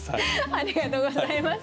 ありがとうございます。